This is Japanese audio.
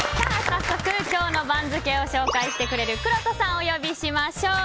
早速、今日の番付を紹介してくれるくろうとさんをお呼びしましょう。